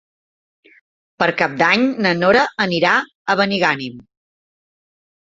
Per Cap d'Any na Nora anirà a Benigànim.